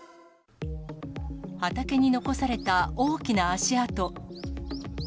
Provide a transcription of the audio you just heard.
畑に残された大きな足跡。